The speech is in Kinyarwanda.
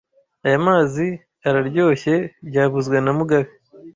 Aya mazi araryoshye byavuzwe na mugabe